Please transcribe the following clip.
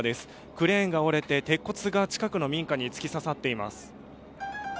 クレーンが折れて鉄骨が近くの民家に突き刺さっています。